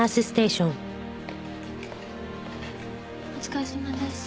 お疲れさまです。